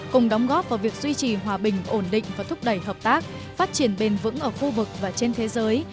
cùng đóng góp vào việc duy trì hòa bình ổn định và thúc đẩy hợp tác phát triển bền vững ở khu vực và trên thế giới